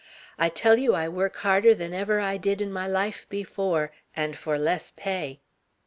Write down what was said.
I tell you I work harder than I ever did in my life before, and for less pay."